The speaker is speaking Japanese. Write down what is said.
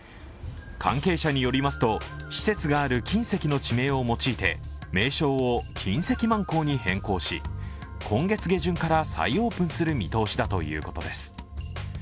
関係者によりますと、施設がある金石の地名を用いて名称を金石万港に変更し、今月下旬から再オープンする見通しだということです。